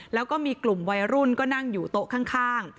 แล้วก็มีกลุ่มวัยรุ่นก็นั่งอยู่โต๊ะข้าง